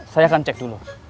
saya akan cek dulu